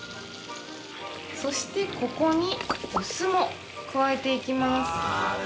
そして、ここにお酢も加えていきます。